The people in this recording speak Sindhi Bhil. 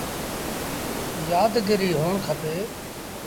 يآد گريٚ هوڻ کپي۔